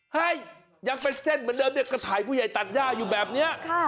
ยังเป็นเส้นเหมือนเดิมเนี่ยก็ถ่ายผู้ใหญ่ตัดย่าอยู่แบบนี้